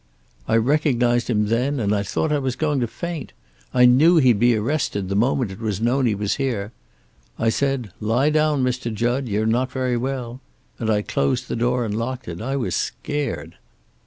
I recognized him then, and I thought I was going to faint. I knew he'd be arrested the moment it was known he was here. I said, 'Lie down, Mr. Jud. You're not very well.' And I closed the door and locked it. I was scared."